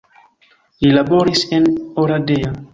Li laboris en Oradea.